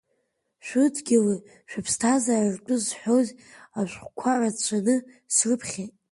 Шәыдгьыли шәыԥсҭазареи ртәы зҳәоз ашәҟәқәа рацәаны срыԥхьеит.